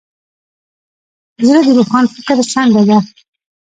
زړه د روښان فکر څنډه ده.